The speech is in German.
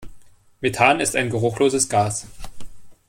Methan ist ein geruchloses Gas.